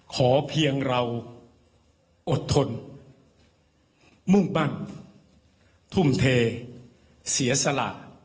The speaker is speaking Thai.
ขอเพียงเราอดทนมุ่งมั่นทุ่มเทเสียสละ